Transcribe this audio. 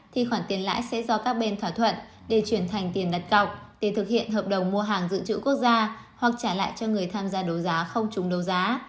thì khoản tiền lãi sẽ do các bên thỏa thuận để chuyển thành tiền đặt cọc để thực hiện hợp đồng mua hàng dự trữ quốc gia hoặc trả lại cho người tham gia đấu giá không trúng đấu giá